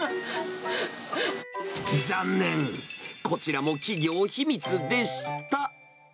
残念、こちらも企業秘密でした。